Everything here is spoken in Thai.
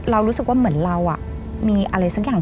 เรารู้สึกว่าเหมือนเรามีอะไรสักอย่าง